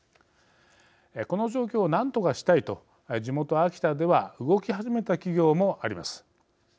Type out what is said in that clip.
この状況を何とかしたいと地元、秋田では動き始めた企業もあります。